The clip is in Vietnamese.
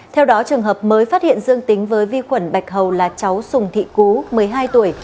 theo đó trường hợp mới phát hiện dương tính với vi khuẩn bạch hầu là cháu sùng thị cú một mươi hai tuổi